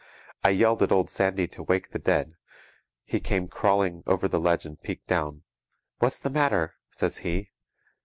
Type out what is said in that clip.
I yelled at Old Sandy to wake the dead. He came crawling over the ledge and peeked down. "What's the matter?" says he.